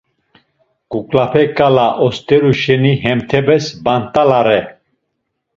Kuklape ǩala osteru şeni hemtepes bant̆alare.